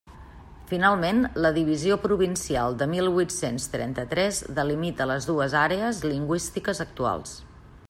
Finalment, la divisió provincial de mil huit-cents trenta-tres delimita les dues àrees lingüístiques actuals.